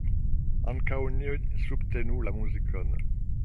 Ankaŭ ni subtenu la muzikon.